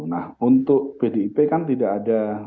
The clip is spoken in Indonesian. nah untuk pdip kan tidak ada